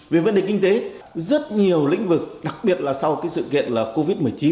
về vấn đề kinh tế rất nhiều lĩnh vực đặc biệt là sau cái sự kiện là covid một mươi chín